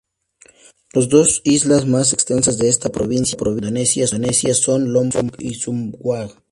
Las dos islas más extensas de esta provincia indonesia son Lombok y Sumbawa.